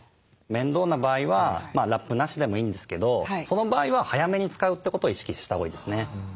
面倒な場合はラップなしでもいいんですけどその場合は早めに使うってことを意識したほうがいいですね。